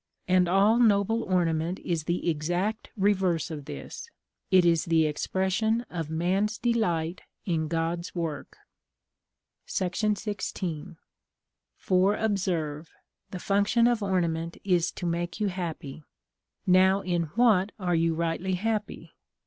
And all noble ornament is the exact reverse of this. It is the expression of man's delight in God's work. § XVI. For observe, the function of ornament is to make you happy. Now in what are you rightly happy?